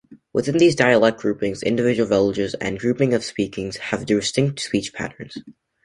Within these dialect groupings, individual villages and groupings of speakers have distinct speech patterns.